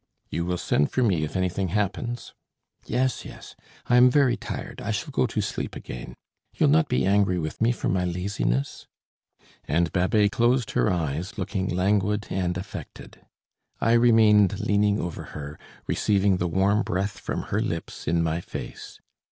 "You will send for me if anything happens?" "Yes, yes, I am very tired: I shall go to sleep again. You'll not be angry with me for my laziness?" And Babet closed her eyes, looking languid and affected. I remained leaning over her, receiving the warm breath from her lips in my face.